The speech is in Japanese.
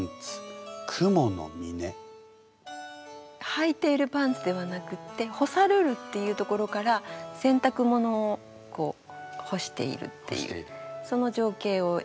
はいているパンツではなくって「干さるる」っていうところから洗濯物を干しているっていうその情景をえがいたんですね。